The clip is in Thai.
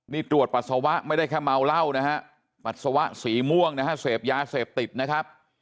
นี่ตรวจปัสสาวะไม่ได้แค่เมาเหล้านะฮะปัสสาวะสีม่วงนะฮะเสพยาเสพติดนะครับ